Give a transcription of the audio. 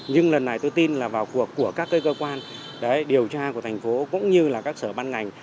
nhưng lần này tôi tin là vào cuộc của các cơ quan điều tra của thành phố cũng như là các sở ban ngành